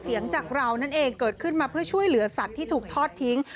จากเรานั่นเองเกิดขึ้นมาเพื่อช่วยเหลือสัตว์ที่ถูกทอดทิ้ง